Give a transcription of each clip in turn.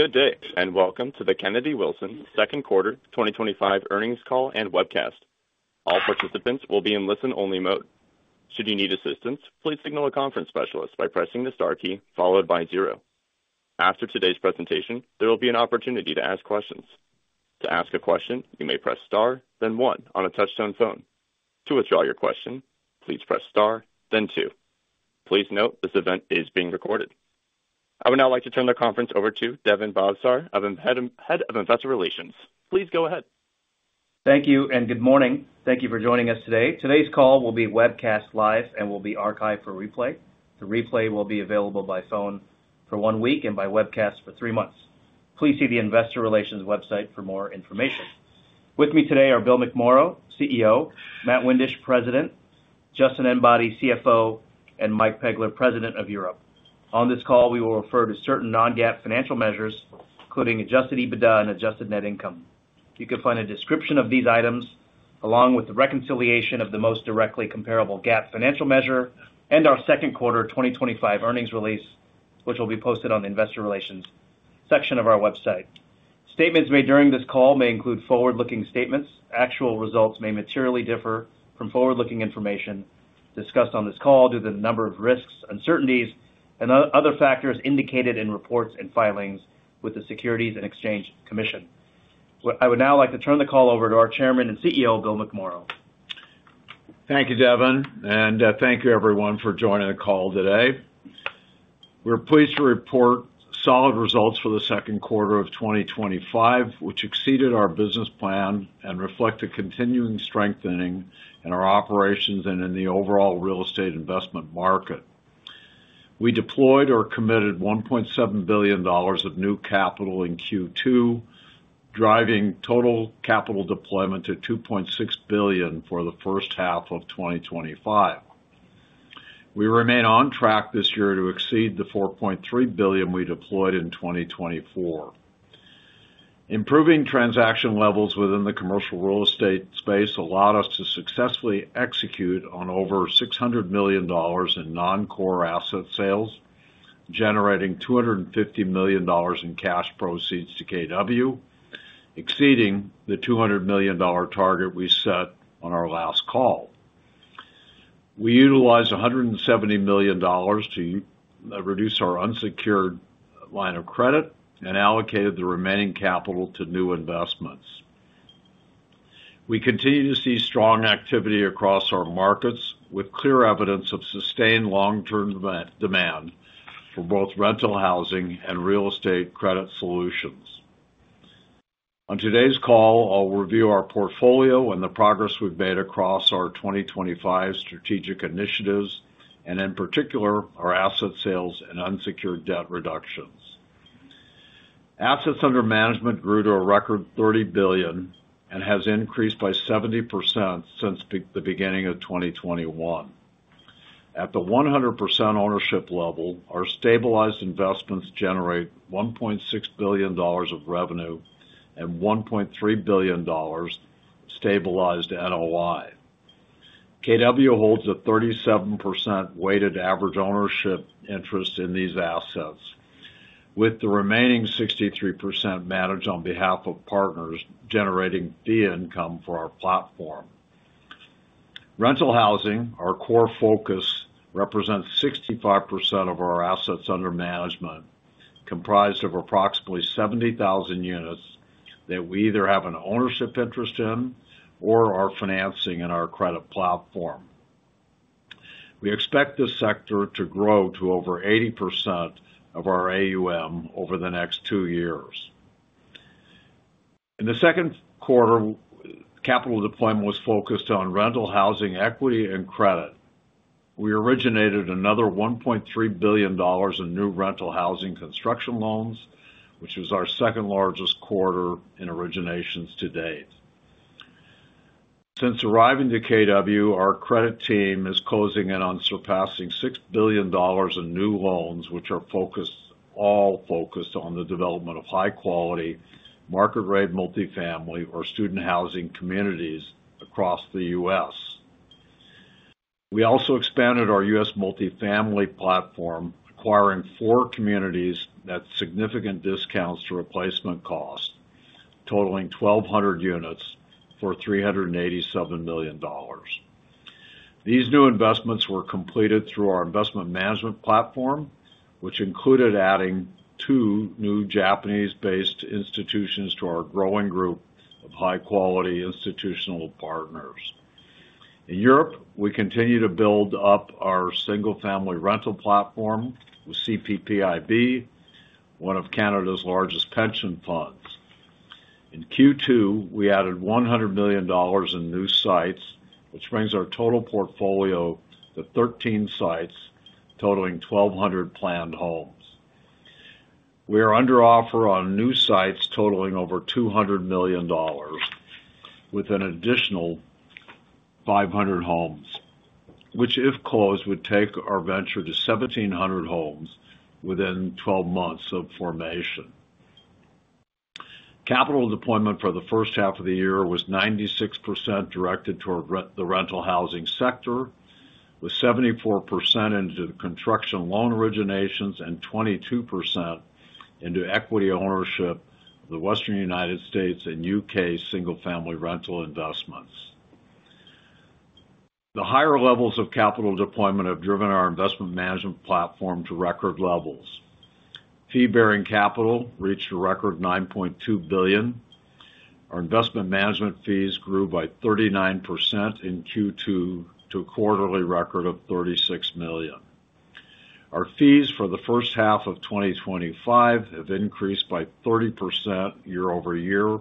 Good day and welcome to the Kennedy-Wilson Second Quarter 2025 Earnings Call and Webcast. All participants will be in listen-only mode. Should you need assistance, please signal a conference specialist by pressing the star key followed by zero. After today's presentation, there will be an opportunity to ask questions. To ask a question, you may press star then one on a touch-tone phone. To withdraw your question, please press star then two. Please note this event is being recorded. I would now like to turn the. Conference over to Daven Bhavsar, Head of Investor Relations. Please go ahead. Thank you, and good morning. Thank you for joining us today. Today's call will be webcast live and will be archived for replay. The replay will be available by phone for one week and by webcast for three months. Please see the Investor Relations website for more information. With me today are Bill McMorrow, CEO, Matt Windisch, President, Justin Enbody, CFO, and Mike Pegler, President of Europe. On this call we will refer to certain non-GAAP financial measures including adjusted EBITDA and adjusted net income. You can find a description of these items along with the reconciliation of the most directly comparable GAAP financial measure in our second quarter 2025 earnings release which will be posted on the Investor Relations section of our website. Statements made during this call may include forward-looking statements. Actual results may materially differ from forward-looking information discussed on this call due to a number of risks, uncertainties, and other factors indicated in reports and filings with the Securities and Exchange Commission. I would now like to turn the call over to our Chairman and CEO, Bill McMorrow. Thank you, Daven, and thank you, everyone, for joining the call today. We're pleased to report solid results for the second quarter of 2025, which exceeded our business plan and reflect a continuing strength in our operations and in the overall real estate investment market. We deployed or committed $1.7 billion of new capital in Q2, driving total capital deployment to $2.6 billion for the first half of 2025. We remain on track this year to exceed the $4.3 billion we deployed in 2024. Improving transaction levels within the commercial real estate space allowed us to successfully execute $600 million in non-core asset sales, generating $250 million in cash proceeds to KW, exceeding the $200 million target we set on our last call. We utilized $170 million to reduce our unsecured line of credit and allocated the remaining capital to new investments. We continue to see strong activity across our markets with clear evidence of sustained long-term demand for both rental housing and real estate credit solutions. On today's call, I'll review our portfolio and the progress we've made across our 2025 strategic initiatives, and in particular our asset sales and unsecured debt reductions. Assets under management grew to a record $30 billion and has increased by 70% since the beginning of 2021. At the 100% ownership level, our stabilized investments generate $1.6 billion of revenue and $1.3 billion stabilized NOI. KW holds a 37% weighted average ownership interest in these assets, with the remaining 63% managed on behalf of partners, generating fee income for our platform. Rental housing, our core focus, represents 65% of our assets under management, comprised of approximately 70,000 units that we either have an ownership interest in or are financing in our credit platform. We expect this sector to grow to over 80% of our AUM over the next two years. In the second quarter, capital deployment was focused on rental housing equity and credit. We originated another $1.3 billion in new rental housing construction loans, which was our second largest quarter in originations to date since arriving to Kennedy-Wilson. Our credit team is closing in on surpassing $6 billion in new loans, which are all focused on the development of high-quality market rate multifamily or student housing communities across the U.S. We also expanded our U.S. multifamily platform, acquiring four communities at significant discounts to replacement costs, totaling 1,200 units for $387 million. These new investments were completed through our investment management platform, which included adding two new Japanese-based institutions to our growing group of high-quality institutional partners. In Europe, we continue to build up our single-family rental platform with Canada Pension Plan Investment Board (CPPIB), one of Canada's largest pension funds. In Q2, we added $100 million in new sites, which brings our total portfolio to 13 sites totaling 1,200 planned homes. We are under offer on new sites totaling over $200 million with an additional 500 homes, which, if closed, would take our venture to 1,700 homes within 12 months of formation. Capital deployment for the first half of the year was 96% directed toward the rental housing sector, with 74% into construction loan originations and 22% into equity ownership. The Western United States and U.K. single-family rental investments, the higher levels of capital deployment have driven our investment management platform to record levels. Fee-bearing capital reached a record $9.2 billion. Our investment management fees grew by 39% in Q2 to a quarterly record of $36 million. Our fees for the first half of 2025 have increased by 30% year-over-year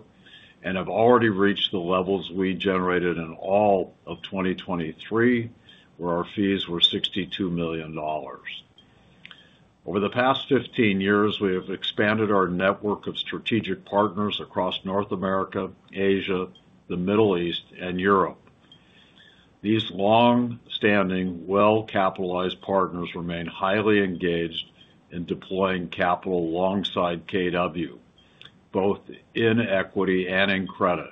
and have already reached the levels we generated in all of 2023, where our fees were $62 million. Over the past 15 years, we have expanded our network of strategic partners across North America, Asia, the Middle East, and Europe. These long-standing, well-capitalized partners remain highly engaged in deploying capital alongside KW. both in equity and in credit,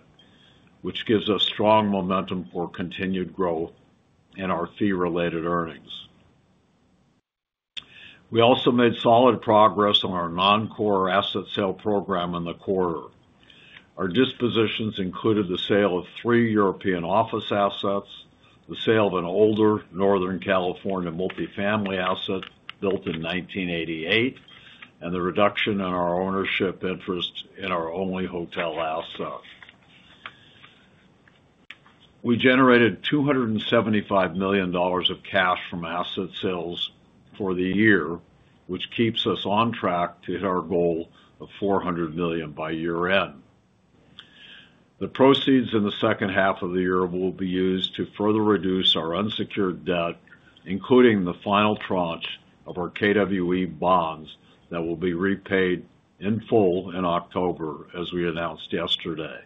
which gives us strong momentum for continued growth and our fee-related earnings. We also made solid progress on our non-core asset sale program in the quarter. Our dispositions included the sale of three European office assets, the sale of an older Northern California multifamily asset built in 1988, and the reduction in our ownership interest in our only hotel assets. We generated $275 million of cash from asset sales for the year, which keeps us on track to hit our goal of $400 million by year end. The proceeds in the second half of the year will be used to further reduce our unsecured debt, including the final tranche of our KWE bonds that will be repaid in full in October. As we announced yesterday,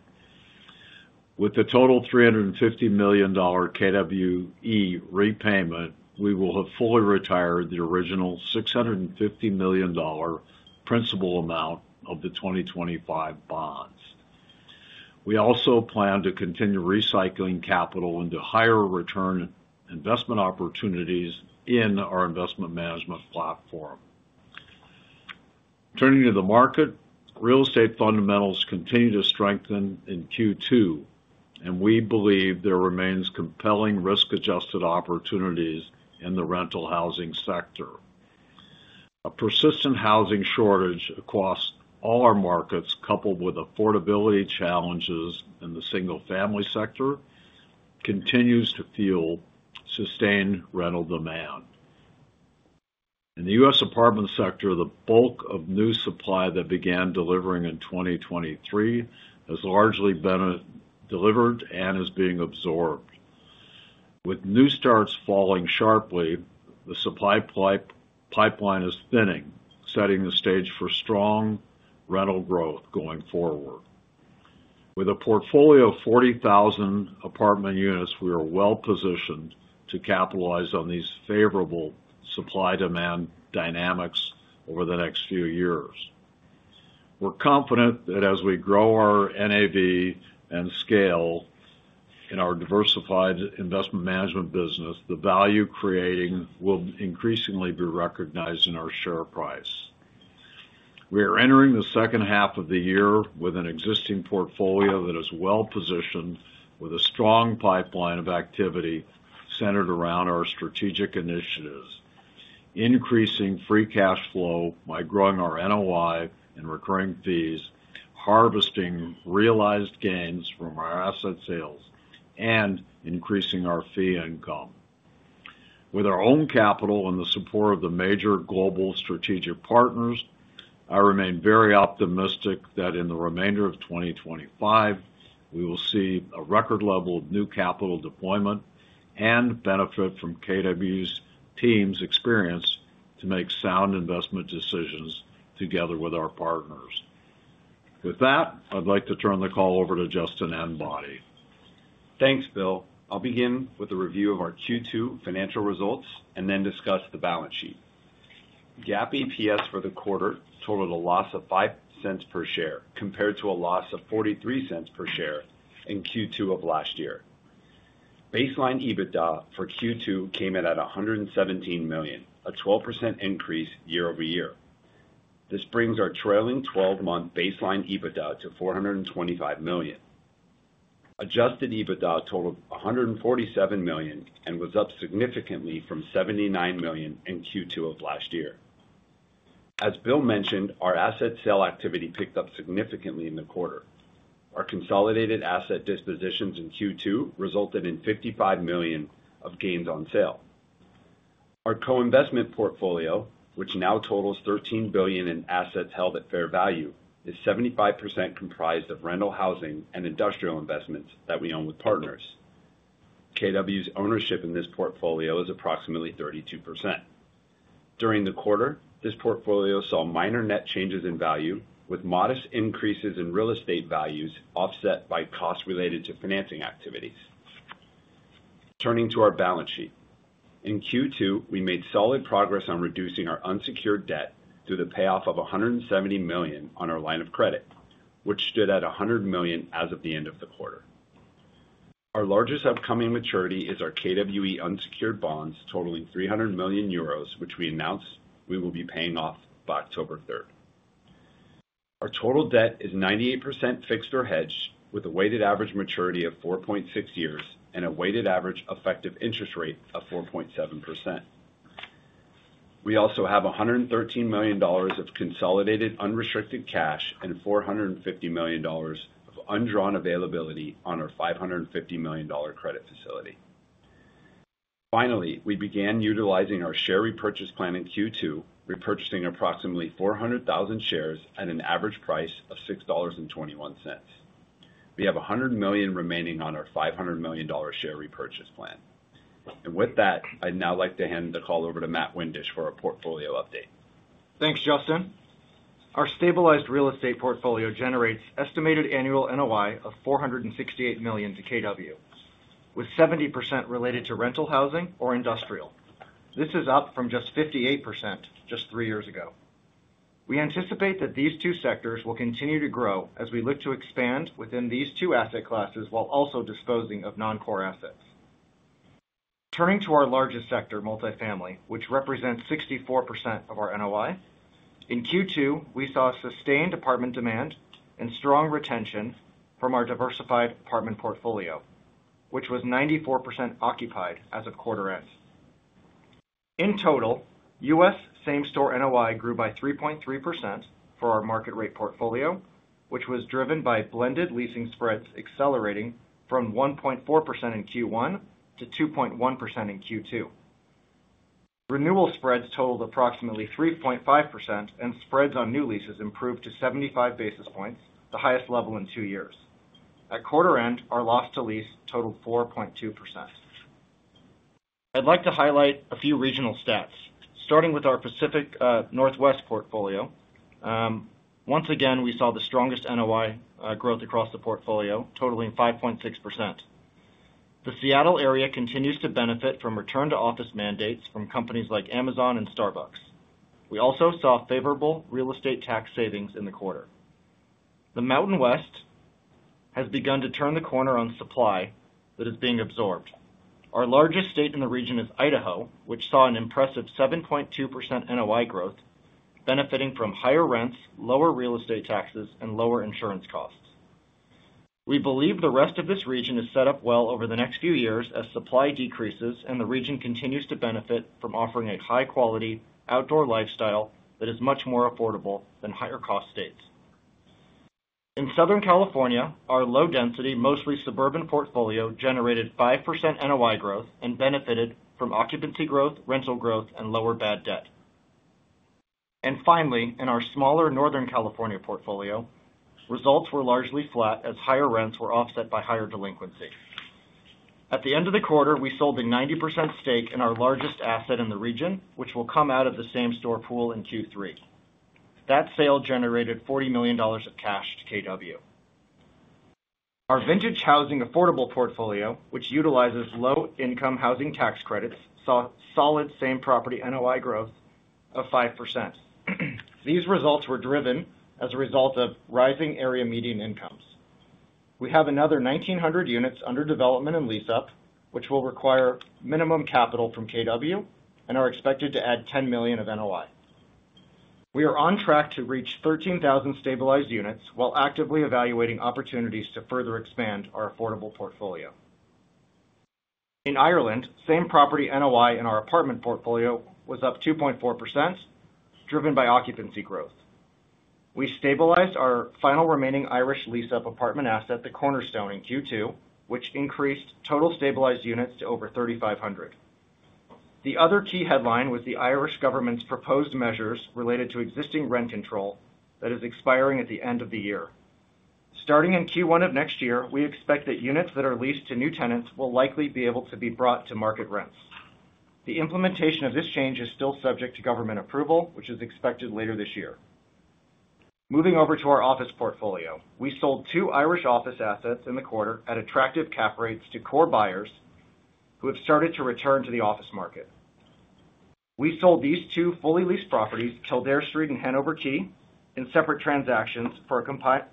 with the total $350 million KWE repayment, we will have fully retired the original $650 million principal amount of the 2025 bonds. We also plan to continue recycling capital into higher return investment opportunities in our investment management platform. Turning to the market, real estate fundamentals continue to strengthen in Q2, and we believe there remains compelling risk-adjusted opportunities in the rental housing sector. A persistent housing shortage across all our markets, coupled with affordability challenges in the single-family sector, continues to fuel sustained rental demand in the U.S. apartment sector. The bulk of new supply that began delivering in 2023 has largely been delivered and is being absorbed. With new starts falling sharply, the supply pipeline is thinning, setting the stage for strong rental growth going forward. With a portfolio of 40,000 apartment units, we are well positioned to capitalize on these favorable supply-demand dynamics over the next few years. We're confident that as we grow our NAV and scale in our diversified investment management business, the value creation will increasingly be recognized in our share price. We are entering the second half of the year with an existing portfolio that is well positioned with a strong pipeline of activity centered around our strategic initiatives, increasing free cash flow by growing our NOI and recurring fees, harvesting realized gains from our asset sales, and increasing our fee income with our own capital and the support of the major global strategic partners. I remain very optimistic that in the remainder of 2025 we will see a record level of new capital deployment and benefit from KW's team's experience to make sound investment decisions together with our partners. With that, I'd like to turn the call over to Justin Enbody. Thanks, Bill. I'll begin with a review of our Q2 financial results and then discuss the balance sheet. GAAP EPS for the quarter totaled a Loss of $0.05 per share compared to a loss of $0.43 per share in Q2 of last year. Baseline EBITDA for Q2 came in at $117 million, a 12% increase year-over-year. This brings our trailing twelve month baseline EBITDA to $425 million. Adjusted EBITDA totaled $147 million and was up significantly from $79 million in Q2 of last year. As Bill mentioned, our asset sale activity picked up significantly in the quarter. Our consolidated asset dispositions in Q2 resulted in $55 million of gains on sale. Our co-investment portfolio, which now totals $13 billion in assets held at fair value, is 75% comprised of rental housing and industrial investments that we own with partners. KW's ownership in this portfolio is approximately 32%. During the quarter, this portfolio saw minor net changes in value with modest increases in real estate values offset by costs related to financing activities. Turning to our balance sheet in Q2, we made solid progress on reducing our unsecured debt through the payoff of $170 million on our line of credit, which stood at $100 million as of the end of the quarter. Our largest upcoming maturity is our KWE unsecured bonds totaling 300 million euros, which we announced we will be paying off by October 3rd. Our total debt is 98% fixed or hedged, with a weighted average maturity of 4.6 years and a weighted average effective interest rate of 4.7%. We also have $113 million of consolidated unrestricted cash and $450 million of undrawn availability on our $550 million credit facility. Finally, we began utilizing our share repurchase plan in Q2, repurchasing approximately 400,000 shares at an average price of $6.21. We have $100 million remaining on our $500 million share repurchase plan. With that, I'd now like to hand the call over to Matt Windisch. For a portfolio update. Thanks, Justin. Our stabilized real estate portfolio generates estimated annual NOI of $468 million to KW with 70% related to rental housing or industrial. This is up from just 58% three years ago. We anticipate that these two sectors will continue to grow as we look to expand within these two asset classes while also disposing of non-core assets. Turning to our largest sector, multifamily, which represents 64% of our NOI in Q2, we saw sustained apartment demand and strong retention from our diversified apartment portfolio, which was 94% occupied as of quarter end. In total, U.S. same store NOI grew by 3.3% for our market rate portfolio, which was driven by blended leasing spreads accelerating from 1.4% in Q1 to 2.1% in Q2. Renewal spreads totaled approximately 3.5% and spreads on new leases improved to 75 basis points, the highest level in two years. At quarter end, our loss to lease totaled 4.2%. I'd like to highlight a few regional stats, starting with our Pacific Northwest portfolio. Once again, we saw the strongest NOI growth across the portfolio, totaling 5.6%. The Seattle area continues to benefit from return to office mandates from companies like Amazon and Starbucks. We also saw favorable real estate tax savings in the quarter. The Mountain West has begun to turn the corner on supply that is being absorbed. Our largest state in the region is Idaho, which saw an impressive 7.2% NOI growth, benefiting from higher rents, lower real estate taxes, and lower insurance costs. We believe the rest of this region is set up well over the next few years as supply decreases and the region continues to benefit from offering a high quality outdoor lifestyle that is much more affordable than higher cost states. In Southern California, our low density, mostly suburban portfolio generated 5% NOI growth and benefited from occupancy growth, rental growth, and lower bad debt. Finally, in our smaller Northern California portfolio, results were largely flat as higher rents were offset by higher delinquency. At the end of the quarter, we sold the 90% stake in our largest asset in the region, which will come out of the same store pool in Q3. That sale generated $40 million of cash to KW. Our vintage housing affordable portfolio, which utilizes low income housing tax credits, saw solid same property NOI growth of 5%. These results were driven as a result of rising area median incomes. We have another 1,900 units under development and lease-up which will require minimum capital from KW and are expected to add $10 million of NOI. We are on track to reach 13,000 stabilized units while actively evaluating opportunities to further expand our affordable portfolio. In Ireland, same property NOI in our apartment portfolio was up 2.4% driven by occupancy growth. We stabilized our final remaining Irish lease-up apartment asset, the Cornerstone, in Q2, which increased total stabilized units to over 3,500. The other key headline was the Irish government's proposed measures related to existing rent control that is expiring at the end of the year. Starting in Q1 of next year, we expect that units that are leased to new tenants will likely be able to be brought to market rents. The implementation of this change is still subject to government approval, which is expected later this year. Moving over to our office portfolio, we sold two Irish office assets in the quarter at attractive cap rates to core buyers who have started to return to the office market. We sold these two fully leased properties, Kildare Street and Hanover Quay, in separate transactions for a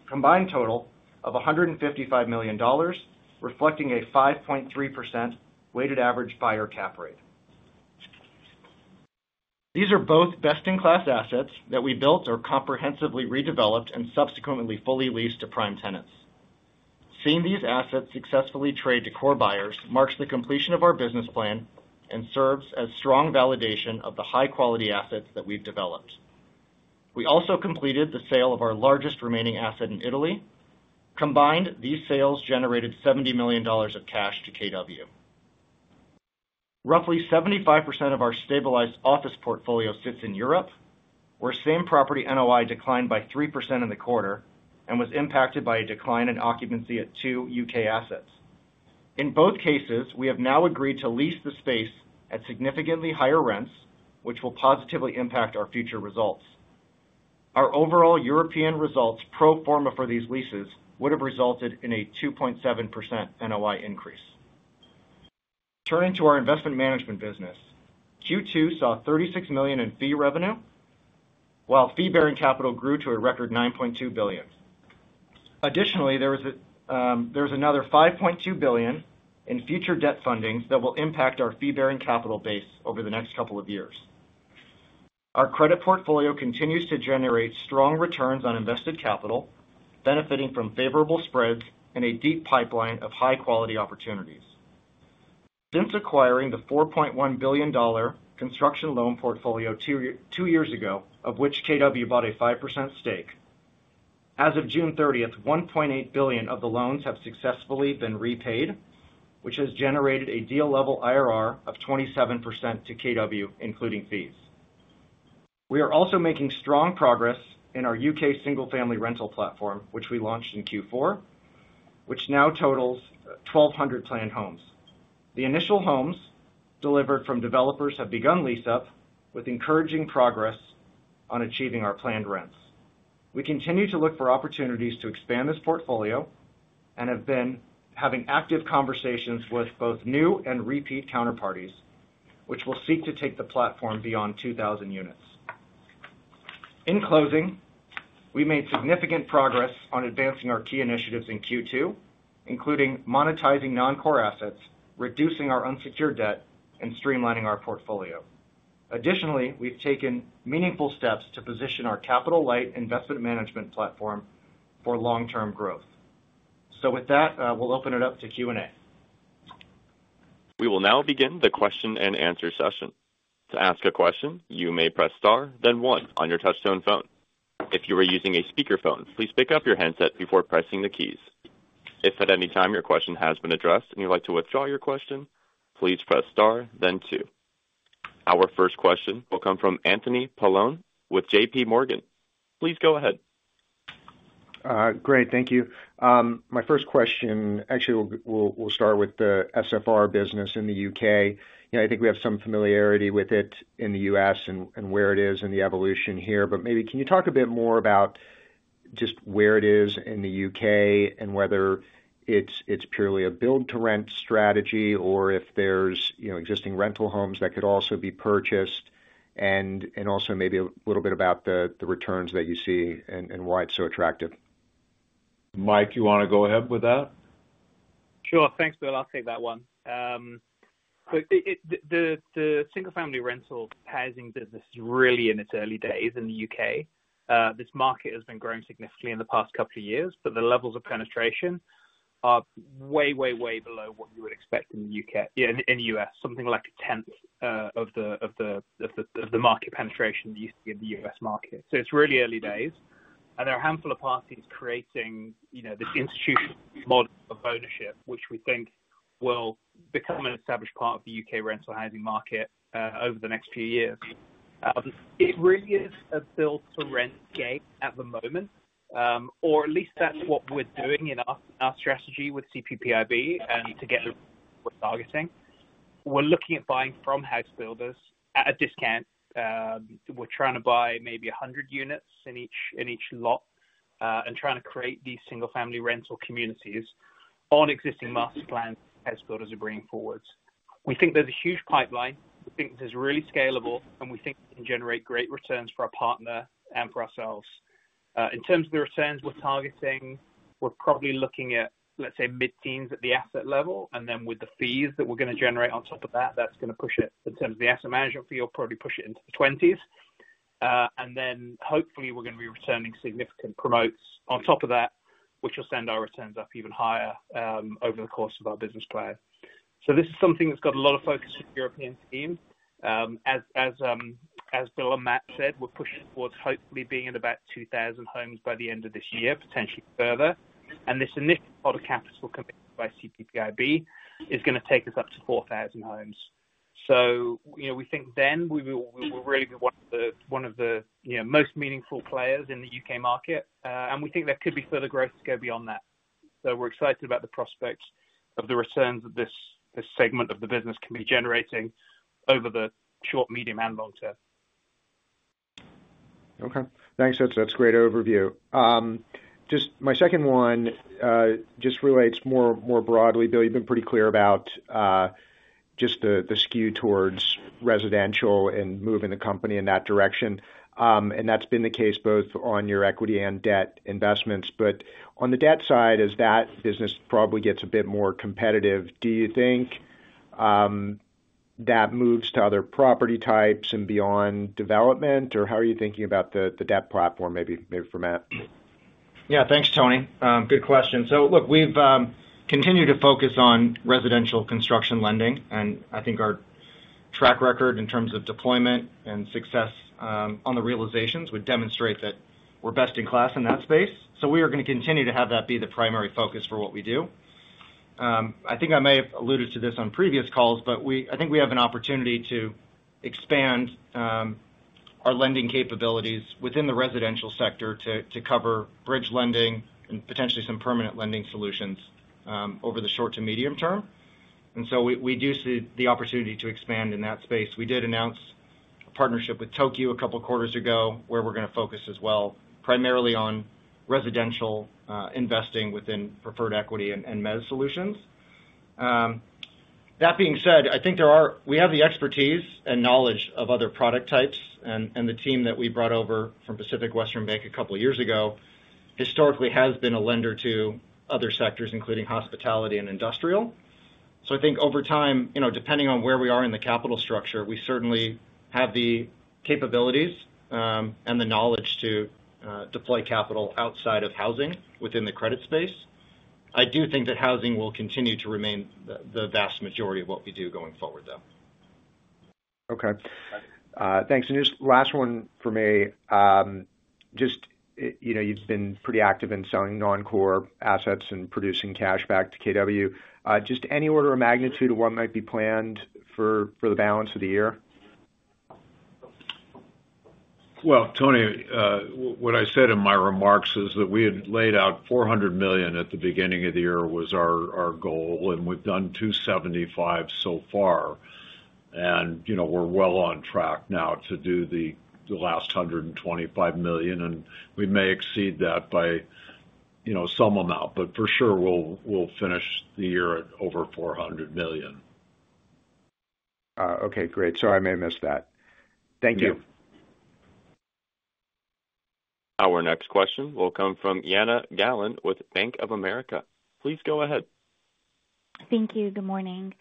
combined total of $155 million, reflecting a 5.3% weighted average buyer cap rate. These are both best-in-class assets that we built or comprehensively redeveloped and subsequently fully leased to prime tenants. Seeing these assets successfully trade to core buyers marks the completion of our business plan and serves as strong validation of the high-quality assets that we've developed. We also completed the sale of our largest remaining asset in Italy. Combined, these sales generated $70 million of cash to KW. Roughly 75% of our stabilized office portfolio sits in Europe where same property NOI declined by 3% in the quarter and was impacted by a decline in occupancy at two U.K. assets. In both cases, we have now agreed to lease the space at significantly higher rents which will positively impact our future results. Our overall European results pro forma for these leases would have resulted in a 2.7% NOI increase. Turning to our investment management business, Q2 saw $36 million in fee revenue while fee-bearing capital grew to a record $9.2 billion. Additionally, there's another $5.2 billion in future debt fundings that will impact our fee-bearing capital base over the next couple of years. Our credit portfolio continues to generate strong returns on invested capital, benefiting from favorable spreads and a deep pipeline of high quality opportunities since acquiring the $4.1 billion construction loan portfolio two years ago, of which KW bought a 5% stake. As of June 30th, $1.8 billion of the loans have successfully been repaid, which has generated a deal level IRR of 27% to KW including fees. We are also making strong progress in our U.K. single-family rental platform, which we launched in Q4, which now totals 1,200 planned homes. The initial homes delivered from developers have begun lease up, with encouraging progress on achieving our planned rents. We continue to look for opportunities to expand this portfolio and have been having active conversations with both new and repeat counterparties, which will seek to take the platform beyond 2,000 units. In closing, we made significant progress on advancing our key initiatives in Q2, including monetizing non-core assets, reducing our unsecured debt, and streamlining our portfolio. Additionally, we've taken meaningful steps to position our Capital Light investment management platform for long term growth. With that, we'll open it up. To Q&A. We will now begin the question and answer session. To ask a question, you may press star then one on your touchtone phone. If you are using a speakerphone, please pick up your handset before pressing the keys. If at any time your question has been addressed and you'd like to withdraw your question, please press star then two. Our first question will come from Anthony Paolone with JPMorgan. Please go ahead. Great, thank you. My first question, actually we'll start with the single-family rental business in the U.K. I think we have some familiarity with it in the U.S. and where it is in the evolution here, but maybe can you talk a bit more about just where it is in the U.K. and whether it's purely a build to rent strategy or if there's existing rental homes that could also be purchased, and also maybe a little bit about the returns that you see and why it's so attractive. Mike, you want to go ahead with that? Sure. Thanks Bill. I'll take that one. The single-family rental housing business is really in its early days in the U.K. This market has been growing significantly in the past couple of years, but the levels of penetration are way, way, way below what you would expect in the U.S. Something like a tenth of the market penetration used to be in the U.S. market. It's really early days and there are a handful of parties creating this institutional model of ownership, which we think will become an established part of the U.K. rental housing market over the next few years. It really is a build-for-rent game at the moment, or at least that's what we're doing in our strategy with CPPIB. Together, we're looking at buying from house builders at a discount. We're trying to buy maybe 100 units in each lot and trying to create these single-family rental communities on existing master plans as builders are bringing forward. We think there's a huge pipeline, it's really scalable, and we think can generate great returns for our partner and for ourselves. In terms of the returns we're targeting, we're probably looking at, let's say, mid-teens at the asset level, and then with the fees that we're going to generate on top of that, that's going to push it in terms of the asset management fee, you'll probably push it into the 20%. Hopefully, we're going to be returning significant promotes on top of that, which will send our returns up even higher over the course of our business plan. This is something that's got a lot of focus with the European team. As Bill and Matt said, we're pushed towards hopefully being at about 2,000 homes by the end of this year, potentially further. This initial capital, provided by CPPIB, is going to take us up to 4,000 homes. We think then we will really be one of the most meaningful players in the U.K. market and we think there could be further growth to go beyond that. We're excited about the prospect of the returns that this segment of the business can be generating over the short, medium, and long term. Okay, thanks. That's a great overview. Just my second one relates more broadly. Bill. You've been pretty clear about just the skew towards residential and moving the company in that direction. That's been the case both on your equity and debt investments. On the debt side, as that business probably gets a bit more competitive. Do you think? That moves to other property types and beyond development, or how are you thinking about the debt platform? Maybe for Matt? Yeah, thanks Tony. Good question. We've continued to focus on residential construction lending, and I think our track record in terms of deployment and success on the realizations would demonstrate that we're best in class in that space. We are going to continue to have that be the primary focus for what we do. I think I may have alluded to this on previous calls, but I think we have an opportunity to expand our lending capabilities within the residential sector to cover bridge lending and potentially some permanent lending solutions over the short to medium term. We do see the opportunity to expand in that space. We did announce a partnership with Tokyo. A couple quarters ago, where we're going. To focus as well primarily on residential investing within preferred equity and MEZ solutions. That being said, I think there are, we have the expertise and knowledge of other product types, and the team that we brought over from Pacific Western Bank a couple years ago historically has been a lender to other sectors including hospitality and industrial. I think over time, depending on where we are in the capital structure, we certainly have the capabilities and the knowledge to deploy capital outside of housing within the credit space. I do think that housing will continue to remain the vast majority of what we do going forward though. Okay, thanks. Just last one for me, you've been pretty active in selling non-core assets and producing cash back to KW. Just any order of magnitude of what might be planned for the balance of the year? Tony, what I said in my remarks is that we had laid out $400 million at the beginning of the year was our goal, and we've done $275 million so far. You know, we're well on track now to do the last $125 million, and we may exceed that by some amount, but for sure, we'll finish the year at over $400 million. Okay, great. I may miss that. Thank you. Our next question will come from Jana Galan with Bank of America. Please go ahead. Thank you. Good morning,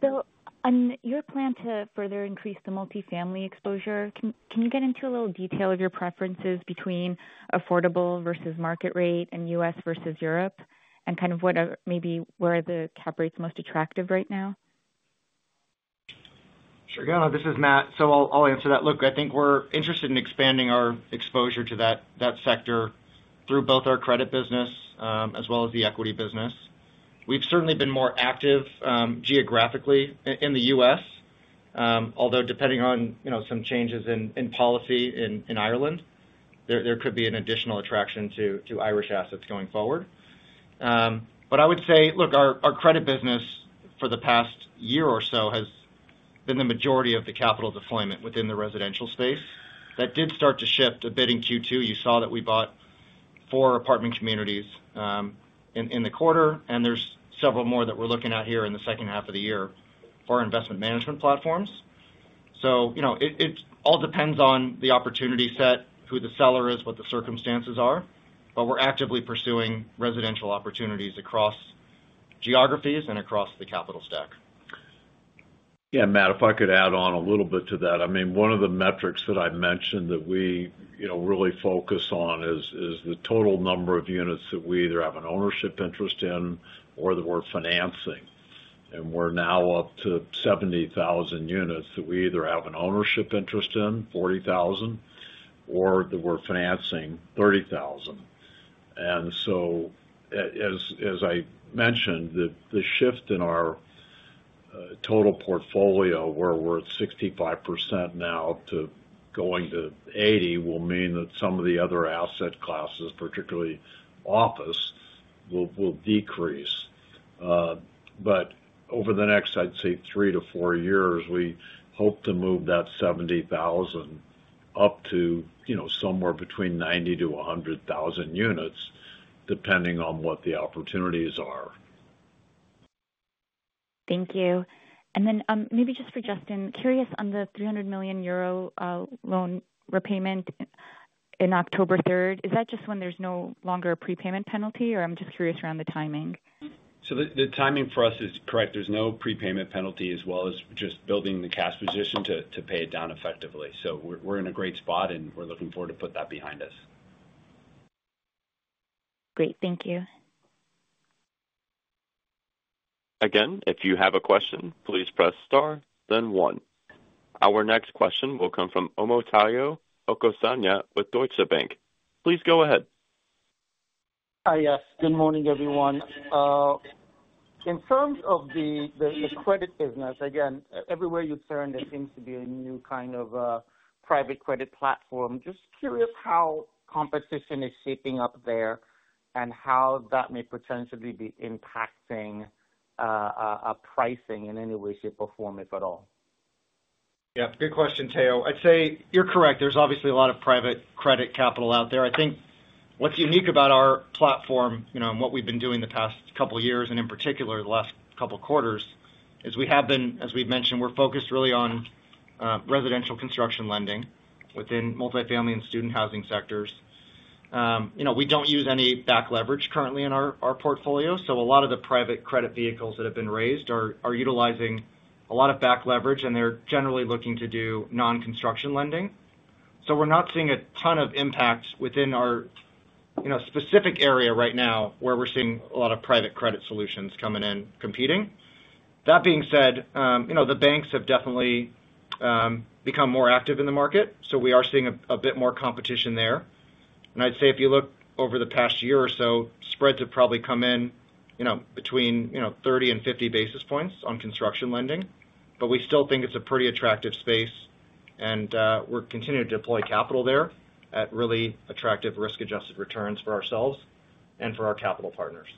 Bill. On your plan to further increase the multifamily exposure, can you get into a little detail of your preferences between affordable versus market rate and U.S. versus Europe, and kind of what, maybe where the cap rate's most attractive right now? Sure. I think we're interested in expanding our exposure to that sector through both our credit business as well as the equity business. We've certainly been more active geographically in the U.S. Although, depending on some changes in policy in Ireland, there could be an additional attraction to Irish assets going forward. I would say our credit business for the past year or so has been the majority of the capital deployment within the residential space. That did start to shift a bit in Q2. You saw that we bought four apartment communities in the quarter, and there's several more that we're looking at here in the second half of the year for investment management platforms. It all depends on the opportunity set, who the seller is, what the circumstances are. We're actively pursuing residential opportunities across geographies and across the capital stack. Yeah, Matt, if I could add on a little bit to that, I mean, one of the metrics that I mentioned that we really focus on is the total number of units that we either have an ownership interest in or that we're financing. We're now up to 70,000 units that we either have an ownership interest in, 40,000, or that we're financing, 30,000. As I mentioned, the shift in our total portfolio, where we're at 65% now to going to 80%, will mean that some of the other asset classes, particularly office, will decrease. Over the next, I'd say, three to four years, we hope to move that 70,000 up to somewhere between 90,000-100,000 units, depending on what the opportunities are. Thank you. Maybe just for Justin, curious on the 300 million euro loan repayment in October 3rd, is that just when there's no longer a prepayment penalty? I'm just curious around the timing. The timing for us is correct. There's no prepayment penalty, as well as just building the cash position to pay it down effectively. We're in a great spot, and we're looking forward to put that behind us. Great, thank you. Again. If you have a question, please press star then one. Our next question will come from Omotayo Okusanya with Deutsche Bank. Please go ahead. Hi, good morning everyone. In terms of the credit business, again, everywhere you turn there seems to be a new kind of private credit platform. Just curious how competition is shaping up there and how that may potentially be impacting pricing in any way, shape, or form, if at all. Yep, good question, Tayo. I'd say you're correct. There's obviously a lot of private credit capital out there. I think what's unique about our platform, you know, and what we've been doing the past couple years and in particular the last couple quarters is we have been, as we've mentioned, we're focused really on residential construction lending within multifamily and student housing sectors. You know, we don't use any back leverage currently in our portfolio. A lot of the private credit vehicles that have been raised are utilizing a lot of back leverage, and they're generally looking to do non-construction lending. We're not seeing a ton of impact within our specific area right now where we're seeing a lot of private credit solutions coming in, competing. That being said, the banks have definitely become more active in the market. We are seeing a bit more competition there. I'd say if you look over the past year or so, spreads have probably come in between 30 basis points-50 basis points on construction lending. We still think it's a pretty attractive space, and we're continuing to deploy capital there at really attractive risk-adjusted returns for ourselves and for our capital partners.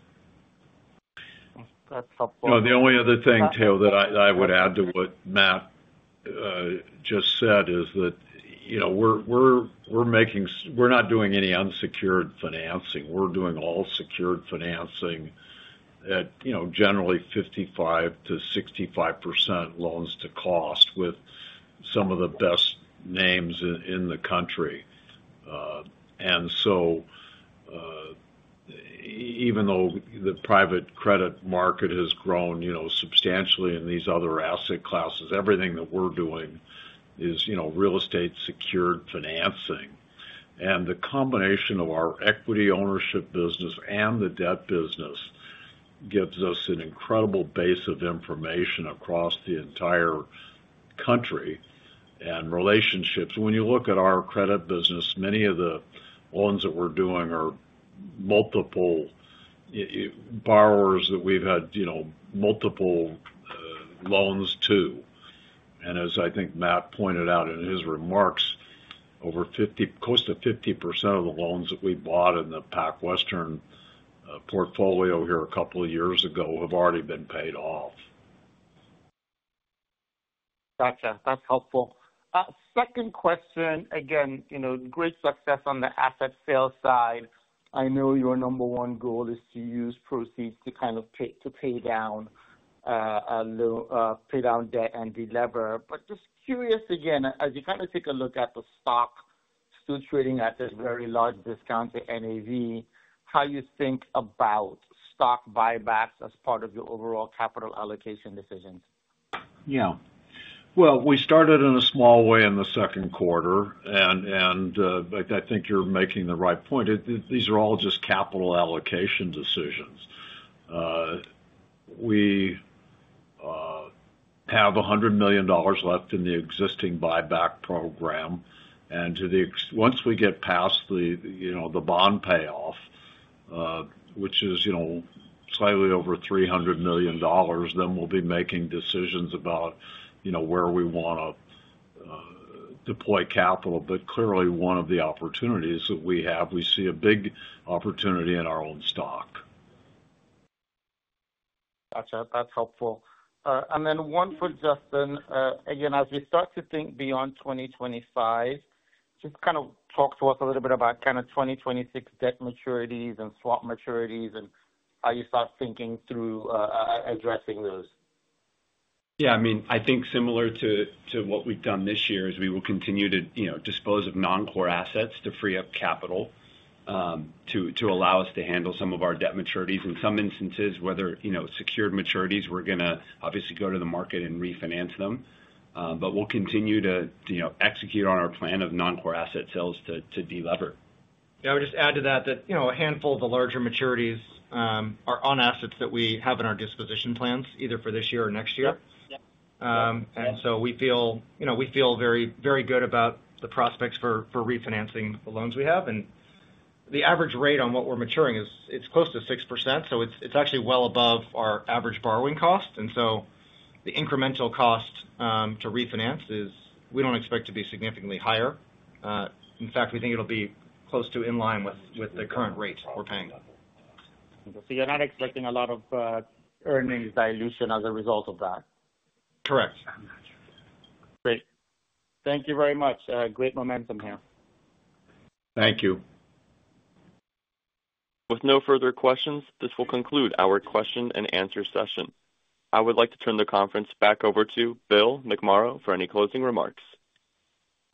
The only other thing too that I would add to what Matt just said is that we're not doing any unsecured financing. We're doing all secured financing at generally 55%-65% loans to cost with some of the best names in the country. Even though the private credit market has grown substantially in these other asset classes, everything that we're doing is real estate secured financing. The combination of our equity ownership business and the debt business gives us an incredible base of information across the entire country and relationships. When you look at our credit business, many of the loans that we're doing are multiple borrowers that we've had multiple loans to. As I think Matt pointed out in his remarks, over 50%, close to 50% of the loans that we bought in the PacWestern portfolio here a couple of years ago have already been paid off. Gotcha. That's helpful. Second question, you know, great success on the asset sales side. I know your number one goal is to use proceeds to kind of pay down debt and delever. Just curious, as you kind of take a look at the stock still trading at this very large discount to NAV, how you think about stock buybacks as part of your overall capital allocation decision? Yeah, we started in a small. In the second quarter, I think you're making the right point. These are all just capital allocation decisions. We have $100 million left in the existing buyback program. Once we get past the bond payoff, which is slightly over $300 million, we'll be making decisions about where we want to deploy capital. Clearly, one of the opportunities that we have, we see a big opportunity in our own stock. Gotcha. That's helpful. One for Justin again, as we start to think beyond 2025, just. Talk to us a little. Bit about kind of 2026 debt maturities and swap maturities and how you start thinking through addressing those. Yeah, I mean, I think similar to what we've done this year, we will continue to dispose of non-core assets to free up capital to allow us to handle some of our debt maturities. In some instances, whether secured maturities, we're going to obviously go to the market and refinance them, but we'll continue to execute on our plan of non-core asset sales to delever. I would just add to that that a handful of the larger maturities are on assets that we have in our disposition plans either for this year or next year. We feel very, very good about the prospects for refinancing the loans we have. The average rate on what we're maturing is close to 6%. It's actually well above our average borrowing cost, so the incremental cost to refinance is not expected to be significantly higher. In fact, we think it'll be close to in line with the current rate. We're paying. So you're not expecting a lot of earnings dilution as a result of that? Correct. Great. Thank you very much. Great momentum here. Thank you. With no further questions, this will conclude our question and answer session. I would like to turn the conference back over to Bill McMorrow for any closing remarks.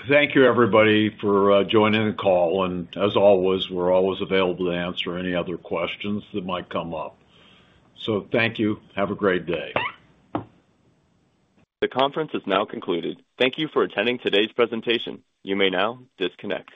Thank you, everybody, for joining the call. We're always available to answer any other questions that might come up. Thank you. Have a great day. The conference has now concluded. Thank you for attending today's presentation. You may now disconnect.